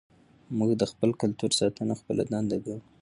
موږ د خپل کلتور ساتنه خپله دنده ګڼو.